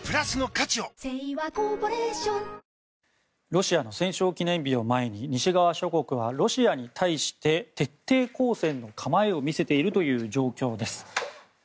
ロシアの戦勝記念日を前に西側諸国はロシアに対して徹底抗戦の構えを見せているという状況です。